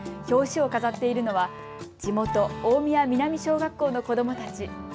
表紙を飾っているのは地元、大宮南小学校の子どもたち。